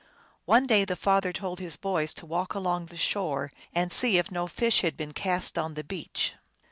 One day the father told his boys to walk along the shore and see if no fish had been cast on the beach.